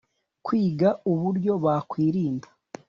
kwiga uburyo bakwirinda